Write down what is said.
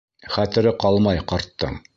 Хәтере ҡалмай ҡарттың.